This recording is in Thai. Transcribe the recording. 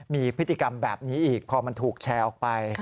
มีพฤติกรรมแบบนี้อีกพอมันถูกแชร์ออกไป